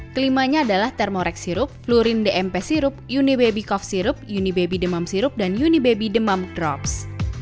kelimanya adalah thermorex sirup flurin dmp sirup unibaby coff sirup unibaby demam sirup dan unibaby demam drops